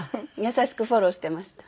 優しくフォローしてました。